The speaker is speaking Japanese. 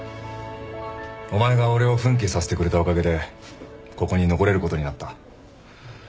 お前が俺を奮起させてくれたおかげでここに残れることになった。